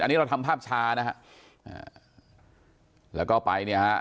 อันนี้เราทำภาพช้านะฮะอ่าแล้วก็ไปเนี่ยฮะ